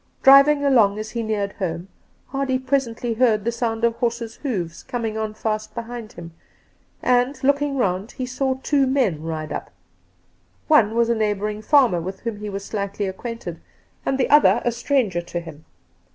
Driving along as he neared home, Hardy presently heard the sound of horses' hoofs coming on fast behind him, and, looking round, he saw two men ride up. One was a neighbotiring farmer with whom he was slightly acquainted, and the other 'a stranger to him.